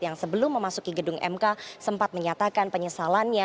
yang sebelum memasuki gedung mk sempat menyatakan penyesalannya